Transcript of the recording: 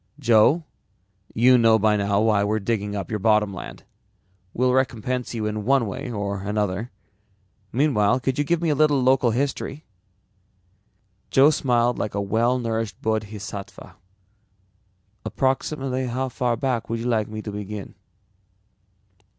"Joe, you know by now why we're digging up your bottom land. We'll recompense you in one way or another. Meanwhile, could you give me a little local history?" Joe smiled like a well nourished bodhisattva. "Approximately how far back would you like me to begin?"